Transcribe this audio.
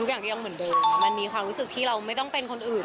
ทุกอย่างยังเหมือนเดิมมันมีความรู้สึกที่เราไม่ต้องเป็นคนอื่น